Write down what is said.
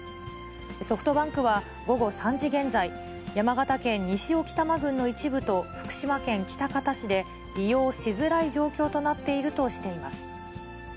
ソフトバンクは午後３時現在、山形県西置賜郡の一部と、福島県喜多方市で、利用しづらい状況となっているとしています。